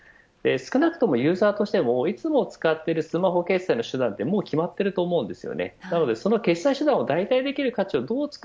少なくともユーザーとしてもいつも使っているスマホ決済の手段は決まっていると思います。